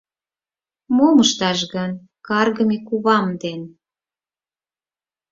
Мом ышташ гын каргыме кувам ден?